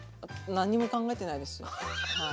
何にも考えてないですはい。